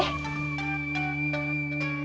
kau bisa ke kau a